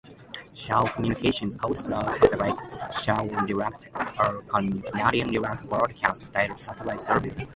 Shaw Communications also operates Shaw Direct, a Canadian direct broadcast satellite service.